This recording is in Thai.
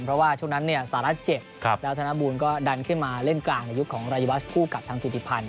เพราะว่าช่วงนั้นสหรัฐเจ็บแล้วธนบูลก็ดันขึ้นมาเล่นกลางในยุคของรายวัชคู่กับทางถิติพันธ